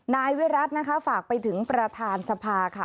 นายวิรัตินะคะฝากไปถึงประธานสภาค่ะ